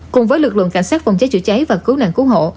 cùng với lực lượng cảnh sát phòng cháy chữa cháy và cứu nạn cư bù